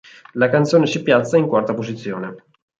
La canzone si piazza in quarta posizione.